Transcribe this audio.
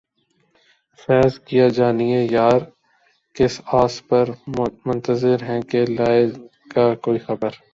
فیضؔ کیا جانیے یار کس آس پر منتظر ہیں کہ لائے گا کوئی خبر